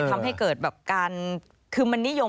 ทำให้เกิดแบบการคือมันนิยม